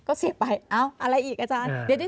ก็เสียบไปเอ้าอะไรอีกอาจารย์